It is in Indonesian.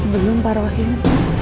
belum pak rohim